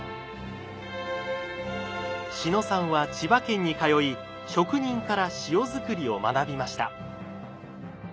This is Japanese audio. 志野さんは千葉県に通い職人から塩づくりを学びました。